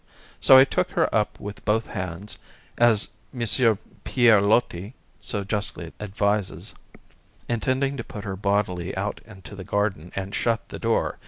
So I took her up with both hands, as M. Pierre Loti so justly advises, intending to put her bodily out into the garden and shut the door.